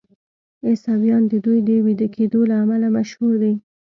عیسویان د دوی د ویده کیدو له امله مشهور دي.